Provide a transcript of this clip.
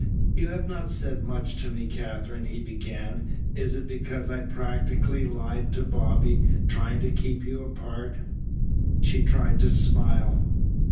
"You have not said much to me, Katherine," he began. "Is it because I practically lied to Bobby, trying to keep you apart?" She tried to smile.